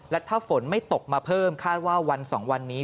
และถ้าฝนไม่ตกมาเพิ่มคาดว่าวัน๒วันนี้